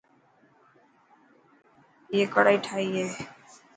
ائي ڪڙائي ٺاهي هي.